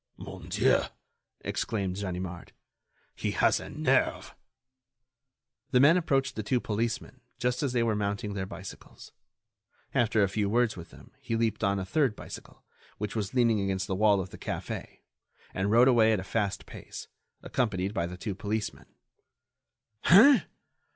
"Mon Dieu!" exclaimed Ganimard, "he has a nerve." The man approached the two policemen just as they were mounting their bicycles. After a few words with them he leaped on a third bicycle, which was leaning against the wall of the café, and rode away at a fast pace, accompanied by the two policemen. "Hein!